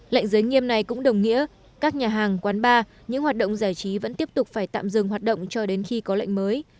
lệnh giới nghiêm này cũng đồng nghĩa các nhà hàng quán bar những hoạt động giải trí vẫn tiếp tục phải tạm dừng hoạt động cho đến khi có lệnh mới